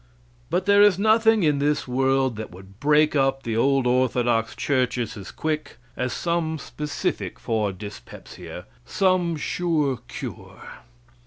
But there is nothing in this world that would break up the old orthodox churches as quick as some specific for dyspepsia some sure cure.